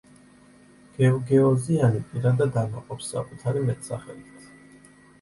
გევგეოზიანი პირადად ამაყობს საკუთარი მეტსახელით.